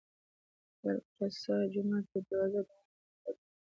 د الاقصی جومات یوه دروازه د غوانمه په نوم ده.